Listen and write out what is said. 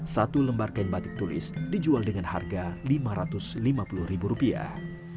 satu lembar kain batik tulis dijual dengan harga lima ratus lima puluh ribu rupiah